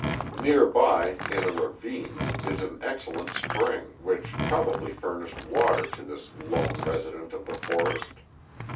Near by, in a ra vine, is an excellent spring, which probably furnished water to this lone resident of the forest.